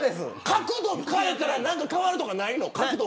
角度を変えたら変わるとかないの。